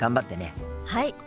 はい。